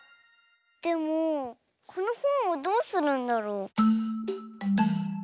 でもこのほんをどうするんだろう？